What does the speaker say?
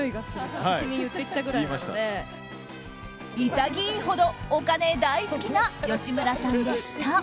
潔いほどお金大好きな吉村さんでした。